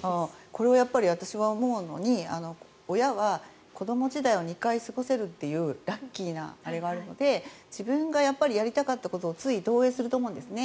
これは私は思うのに親は子ども時代を２回過ごせるというラッキーなので自分がやりたかったことをつい投影すると思うんですね。